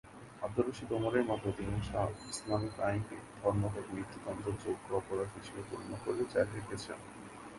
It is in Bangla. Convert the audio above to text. আব্দুর রশিদ ওমর এর মতে, অধিকাংশ আধুনিক ইসলামী আইনবিদ ধর্ম তাকে মৃত্যুদণ্ড যোগ্য অপরাধ হিসেবে গণ্য করা জারি রেখেছেন।